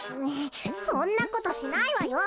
そんなことしないわよ！